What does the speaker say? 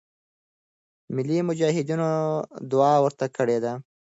ملی مجاهدینو دعا ورته کړې ده.